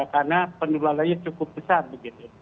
karena penurutannya cukup besar begitu